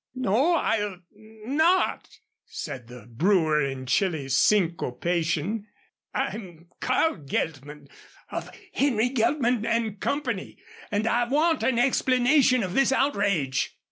"No, I'll n not," said the brewer in chilly syncopation. "I'm Carl Geltman, of Henry Geltman and Company, and I want an explanation of this outrage."